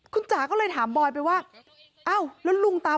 คุณจาก็เลยถามบอยไปว่า